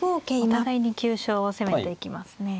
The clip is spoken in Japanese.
お互いに急所を攻めていきますね。